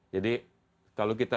jadi kalau kita